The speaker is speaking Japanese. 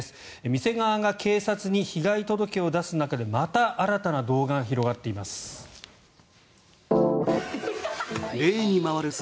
店側が警察に被害届を出す中でまた新たな動画が広がっています。